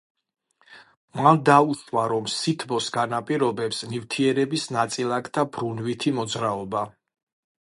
მან დაუშვა, რომ სითბოს განაპირობებს ნივთიერების ნაწილაკთა ბრუნვითი მოძრაობა.